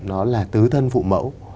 nó là tứ thân phụ mẫu